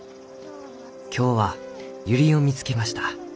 今日はユリを見つけました。